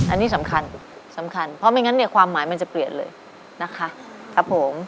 อันนี้สำคัญสำคัญเพราะไม่งั้นเนี่ยความหมายมันจะเปลี่ยนเลยนะคะครับผม